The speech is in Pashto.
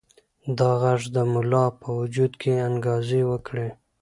دا غږ د ملا په وجود کې انګازې وکړې.